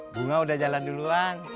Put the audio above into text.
bunga udah jalan duluan